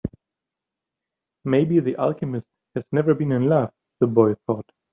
Maybe the alchemist has never been in love, the boy thought.